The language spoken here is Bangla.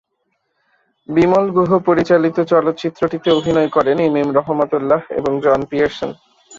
বিমল গুহ পরিচালিত চলচ্চিত্রটিতে অভিনয় করেন এম এম রহমত উল্লাহ এবং জন পিয়ার্সন।